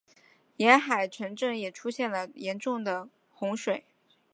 沿海城镇也出现了严重的洪水。